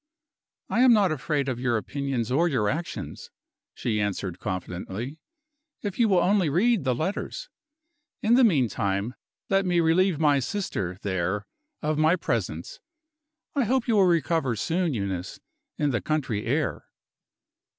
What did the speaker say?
"I am not afraid of your opinions or your actions," she answered confidently, "if you will only read the letters. In the meantime, let me relieve my sister, there, of my presence. I hope you will soon recover, Eunice, in the country air."